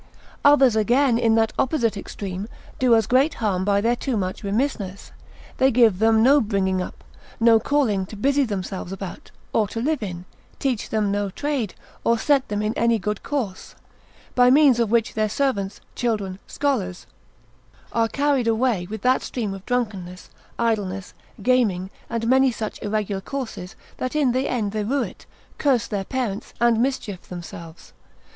Others again, in that opposite extreme, do as great harm by their too much remissness, they give them no bringing up, no calling to busy themselves about, or to live in, teach them no trade, or set them in any good course; by means of which their servants, children, scholars, are carried away with that stream of drunkenness, idleness, gaming, and many such irregular courses, that in the end they rue it, curse their parents, and mischief themselves.